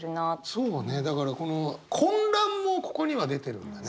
そうねだから混乱もここには出てるんだね。